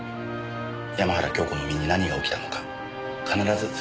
山原京子の身に何が起きたのか必ず突き止める。